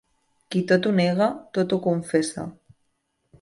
Qui tot ho nega, tot ho confessa.